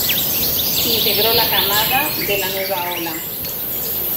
Integró la camada de "La Nueva Ola!